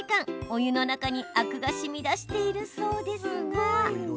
お湯の中にアクがしみ出しているそうですが。